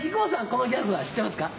このギャグは知ってますか？